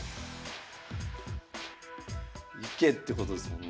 行けってことですもんね。